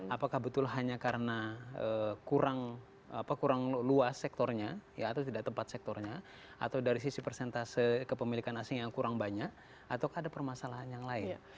apakah betul hanya karena kurang luas sektornya atau tidak tempat sektornya atau dari sisi persentase kepemilikan asing yang kurang banyak atau ada permasalahan yang lain